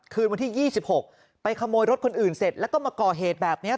คืนวันที่๒๖ไปขโมยรถคนอื่นเสร็จแล้วก็มาก่อเหตุแบบนี้